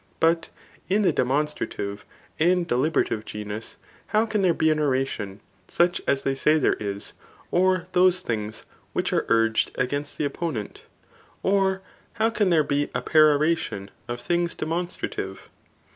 But in the demonstrative and deliberative genus, how can there be an oration such as they say there is, or those things which are urged against the opponent ? Or how can there be a peroration of things demonstra tive